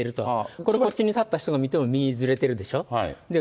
これこっちに立った人が見ても右にずれてるでしょ。